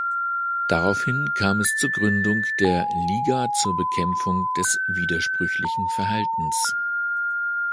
Daraufhin kam es zur Gründung der „Liga zur Bekämpfung des widersprüchlichen Verhaltens“.